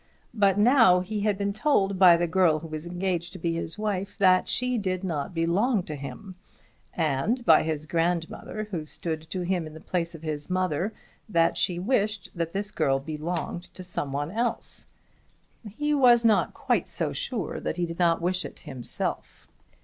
But now he had been told by the girl who was engaged to be his wife that she did not belong to him; and by his grandmother, who stood to him in the place of his mother, that she wished that this girl belonged to some one else! He was not quite sure that he did not wish it himself.